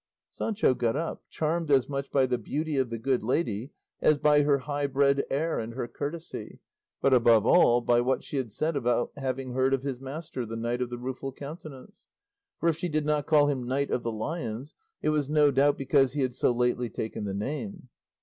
Sancho got up, charmed as much by the beauty of the good lady as by her high bred air and her courtesy, but, above all, by what she had said about having heard of his master, the Knight of the Rueful Countenance; for if she did not call him Knight of the Lions it was no doubt because he had so lately taken the name.